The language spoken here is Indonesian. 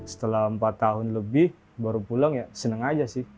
setelah empat tahun lebih baru pulang ya seneng aja sih